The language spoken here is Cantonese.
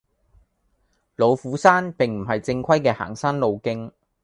老虎山並唔係正規嘅行山路徑